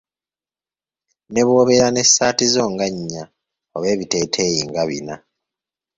Ne bw'obeera n'essaati zo nga nnya oba ebiteeteeyi nga bina.